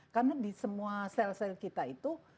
karena di semua sel sel kita itu